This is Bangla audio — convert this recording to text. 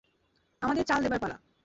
আমাদের চাল দেবার পালা।